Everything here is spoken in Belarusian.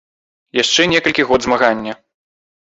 Яшчэ некалькі год змагання.